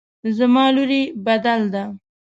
زموږ لوري بدل ده